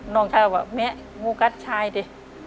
น้องชายก็บอกแม่งูกัดชายดิ